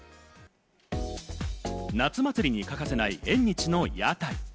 夏祭りに欠かせない縁日の屋台。